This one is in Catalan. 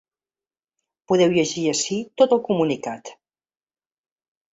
Podeu llegir ací tot el comunicat.